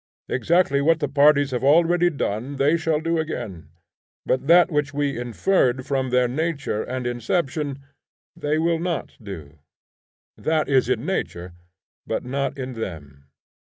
Exactly what the parties have already done they shall do again; but that which we inferred from their nature and inception, they will not do. That is in nature, but not in them.